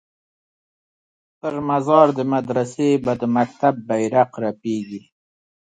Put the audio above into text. پر مزار د مدرسې به د مکتب بیرغ رپیږي